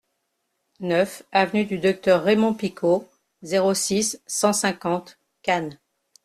neuf avenue du Docteur Raymond Picaud, zéro six, cent cinquante, Cannes